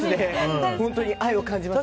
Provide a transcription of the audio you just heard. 本当に愛を感じますね。